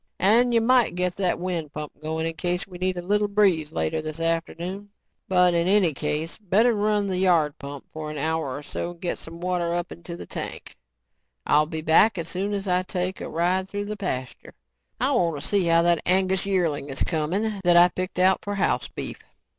"And you might get that wind pump going in case we get a little breeze later this afternoon. But in any case, better run the yard pump for an hour or so and get some water up into the tank. I'll be back as soon as I take a ride through the pasture. I want to see how that Angus yearling is coming that I picked out for house beef."